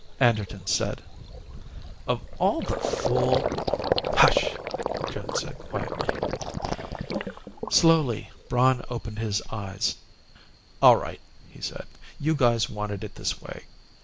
Anderton said, "Of all the fool " "Hush!" Joan said quietly. Slowly, Braun opened his eyes. "All right," he said. "You guys wanted it this way.